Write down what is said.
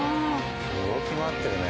動き回ってるね。